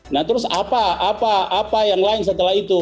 nah terus apa apa yang lain setelah itu